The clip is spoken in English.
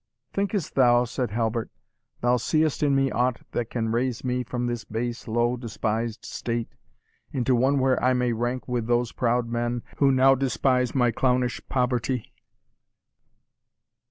"Thinkest thou," said Halbert, "thou seest in me aught that can raise me from this base, low, despised state, into one where I may rank with those proud men, who now despise my clownish poverty?"